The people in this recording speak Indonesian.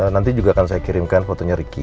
nanti juga akan saya kirimkan fotonya ricky